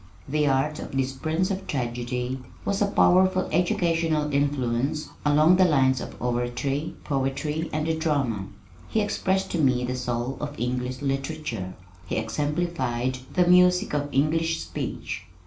The art of this "Prince of Tragedy" was a powerful educational influence along the lines of oratory, poetry and the drama. He expressed to me the soul of English Literature. He exemplified the music of English speech.